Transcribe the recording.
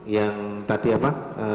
yang tadi apa